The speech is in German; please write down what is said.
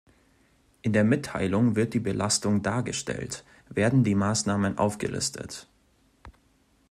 In der Mitteilung wird die Belastung dargestellt, werden die Maßnahmen aufgelistet.